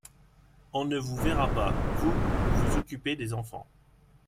On ne vous verra pas, vous, vous occuper des enfants.